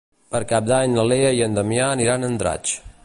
Per Cap d'Any na Lea i en Damià aniran a Andratx.